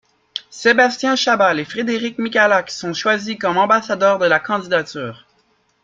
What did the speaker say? Sébastien Chabal et Frédéric Michalak sont choisis comme ambassadeurs de la candidature.